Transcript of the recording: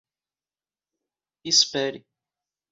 Espere!